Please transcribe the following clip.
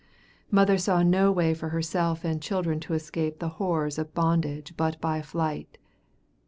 Mother saw no way for herself and children to escape the horrors of bondage but by flight.